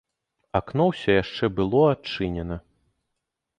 Акно ўсё яшчэ было адчынена.